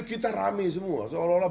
kita rame semua seolah olah